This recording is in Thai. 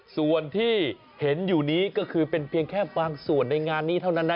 ส่วนที่เห็นอยู่นี้ก็คือเป็นเพียงแค่บางส่วนในงานนี้เท่านั้นนะ